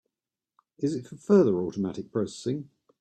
Is it for further automatic processing?